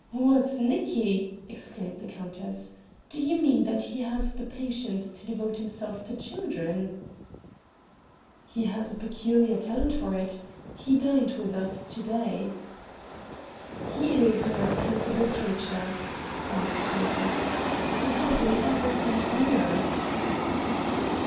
"What, Nicki!" exclaimed the countess. "Do you mean that he has the patience to devote himself to children?" "He has a peculiar talent for it. He dined with us to day." "He is an unaccountable creature!" sighed the countess. "He hardly ever comes near us."